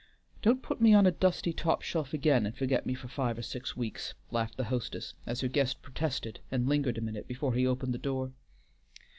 Don't put me on a dusty top shelf again and forget me for five or six weeks," laughed the hostess, as her guest protested and lingered a minute still before he opened the door.